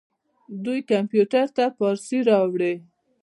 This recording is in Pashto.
دوی کمپیوټر ته فارسي راوړې.